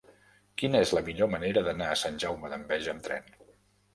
Quina és la millor manera d'anar a Sant Jaume d'Enveja amb tren?